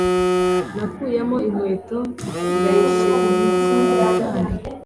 Nakuyemo inkweto ndayishyira munsi yigitanda